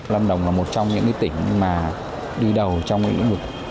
lâm đồng là một trong những tỉnh mà đi đầu trong ứng dụng